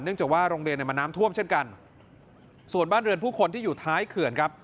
จากว่าโรงเรียนเนี่ยมันน้ำท่วมเช่นกันส่วนบ้านเรือนผู้คนที่อยู่ท้ายเขื่อนครับ